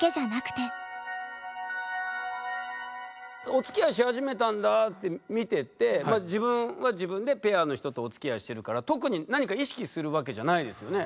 おつきあいし始めたんだって見てて自分は自分でペアの人とおつきあいしてるから特に何か意識するわけじゃないですよね？